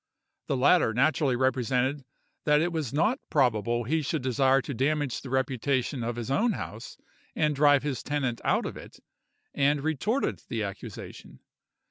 The latter naturally represented that it was not probable he should desire to damage the reputation of his own house, and drive his tenant out of it, and retorted the accusation.